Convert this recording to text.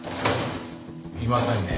いませんね。